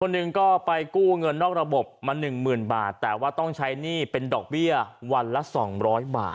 หนึ่งก็ไปกู้เงินนอกระบบมาหนึ่งหมื่นบาทแต่ว่าต้องใช้หนี้เป็นดอกเบี้ยวันละ๒๐๐บาท